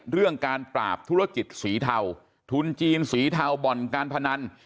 เรื่องการปราบธุรกิจสีเทาทุนจีนสีเทาบ่อนการพนัน